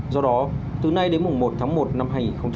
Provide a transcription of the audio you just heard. do đó từ nay đến mùng một tháng một năm hai nghìn hai mươi